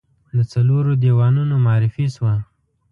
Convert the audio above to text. د څلورو دیوانونو معرفي شوه.